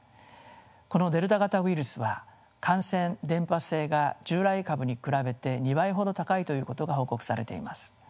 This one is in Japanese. このデルタ型ウイルスは感染伝播性が従来株に比べて２倍ほど高いということが報告されています。